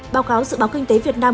báo cáo dự báo kinh tế việt nam